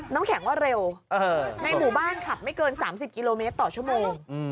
แข็งว่าเร็วในหมู่บ้านขับไม่เกิน๓๐กิโลเมตรต่อชั่วโมง